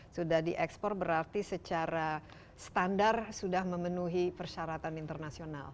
sudah diekspor berarti secara standar sudah memenuhi persyaratan internasional